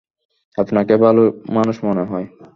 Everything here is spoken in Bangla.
আপনাকে ভালো মানুষ মনে হয়।